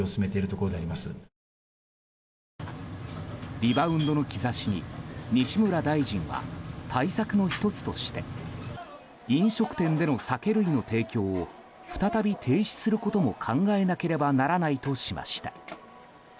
リバウンドの兆しに西村大臣は対策の１つとして飲食店での酒類の提供を再び停止することも考えなければならないとしました。